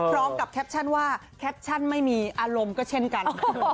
แคปชั่นว่าแคปชั่นไม่มีอารมณ์ก็เช่นกัน